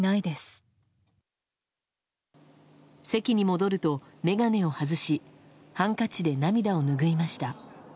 席に戻ると、眼鏡を外しハンカチで涙を拭いました。